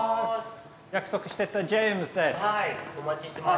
約束してたジェイムズです。